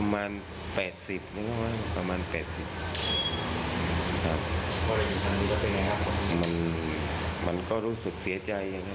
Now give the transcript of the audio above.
มันมันก็รู้สึกเสียใจ